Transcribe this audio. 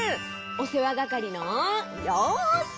おせわがかりのようせい！